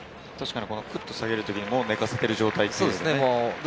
くっと下げる時に寝かせている状態ですね。